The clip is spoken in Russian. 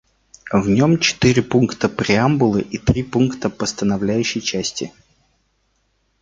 В нем четыре пункта преамбулы и три пункта постановляющей части.